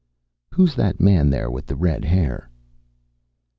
"Who's that man there with the red hair?"